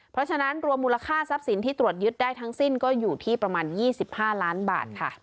เพราะฉะนั้นรวมมูลค่าทรัพย์สินที่ตรวจยึดได้ทั้งสิ้นก็อยู่ที่ประมาณ๒๕ล้านบาทค่ะ